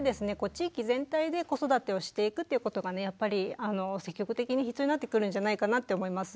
地域全体で子育てをしていくっていうことがやっぱり積極的に必要になってくるんじゃないかなって思います。